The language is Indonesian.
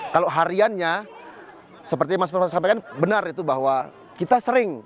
kalau hariannya seperti mas farma sampaikan benar itu bahwa kita sering